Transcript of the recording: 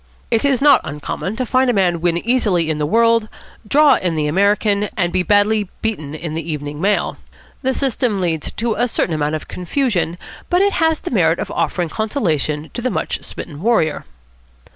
It is not uncommon to find a man win easily in the World, draw in the American, and be badly beaten in the Evening Mail. The system leads to a certain amount of confusion, but it has the merit of offering consolation to a much smitten warrior.